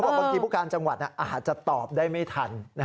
บางทีผู้การจังหวัดอาจจะตอบได้ไม่ทัน